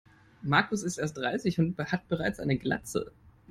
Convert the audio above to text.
Markus ist erst dreißig und hat bereits eine Glatze.